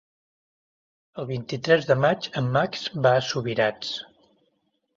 El vint-i-tres de maig en Max va a Subirats.